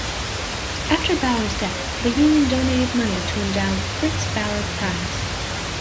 After Bauer's death, the Union donated money to endow the Fritz Bauer Prize.